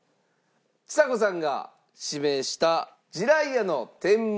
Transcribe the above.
ちさ子さんが指名した地雷也の天むすは。